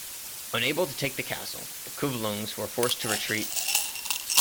Unable to take the castle, the Kuvlungs were forced to retreat.